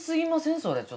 それちょっと。